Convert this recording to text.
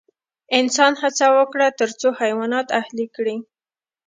انسان هڅه وکړه تر څو حیوانات اهلي کړي.